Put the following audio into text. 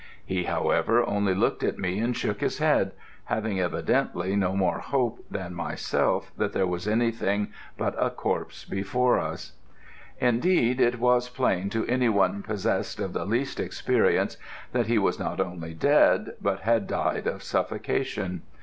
He, however, only looked at me and shook his head, having evidently no more hope than myself that there was anything but a corpse before us. "Indeed it was plain to any one possessed of the least experience that he was not only dead, but had died of suffocation.